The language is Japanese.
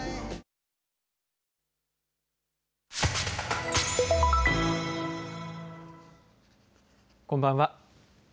こんばんは。